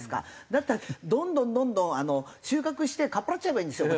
だったらどんどんどんどん収穫してかっぱらっちゃえばいいんですよ